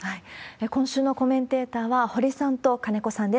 今週のコメンテーターは、掘さんと金子さんです。